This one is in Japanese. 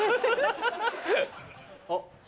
あっ。